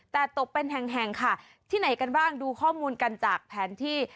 แต่ตกเป็นแห่งแห่งค่ะที่ไหนกันบ้างดูข้อมูลกันจากแผนที่